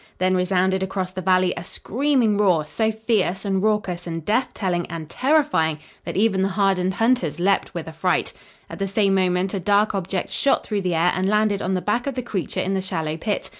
Then resounded across the valley a screaming roar, so fierce and raucous and death telling and terrifying that even the hardened hunters leaped with affright. At the same moment a dark object shot through the air and landed on the back of the creature in the shallow pit.